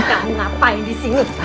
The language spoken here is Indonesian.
kamu ngapain di sini